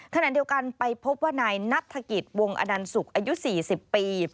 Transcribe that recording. ขณะเดียวกันไปพบว่านายนัฐกิจวงอนันสุกอายุ๔๐ปี